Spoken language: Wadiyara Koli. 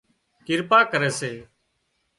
ڪرپا ڪري سي